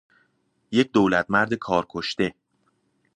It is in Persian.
یک دولتمرد کار کشته